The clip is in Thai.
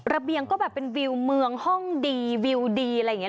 เบียงก็แบบเป็นวิวเมืองห้องดีวิวดีอะไรอย่างนี้